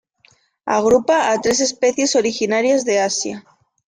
Agrupa a tres especies originarias de Asia.